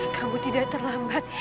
kamu tidak terlambat